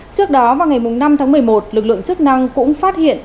trước đó vào ngày năm tháng một mươi một lực lượng chức năng cũng phát hiện